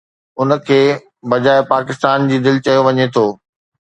ان کي بجاءِ پاڪستان جي دل چيو وڃي ٿو